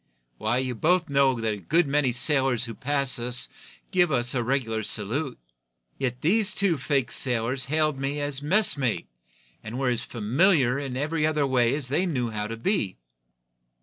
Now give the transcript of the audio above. Why, you both know that a good many sailors who pass us give us the regular salute. Yet these two fake sailors hailed me as 'messmate' and were as familiar in every other way as they knew how to be."